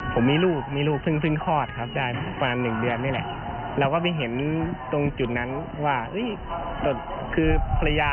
ก็คิดว่าต้องทำก็ทำตรงนี้แหละ